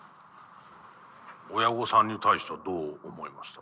親御さんに対してはどう思いました？